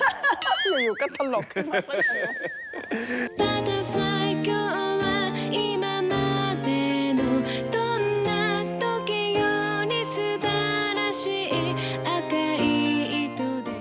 อยู่ก็ถลกขึ้นมากแล้ว